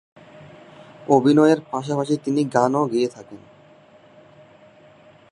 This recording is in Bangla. অভিনয়ের পাশাপাশি তিনি গানও গেয়ে থাকেন।